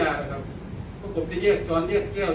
ยานะครับเพราะผมจะแยกช้อนแยกแก้ว